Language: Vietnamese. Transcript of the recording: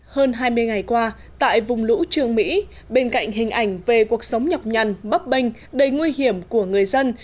hơn hai mươi ngày qua tại vùng lũ trường mỹ bên cạnh hình ảnh về cuộc sống nhọc nhằn bấp bênh đầy nguy hiểm của người dân